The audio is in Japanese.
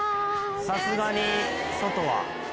さすがに外は。